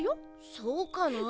そうかなあ？